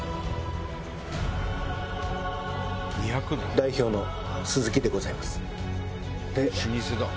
代表の鈴木でございます。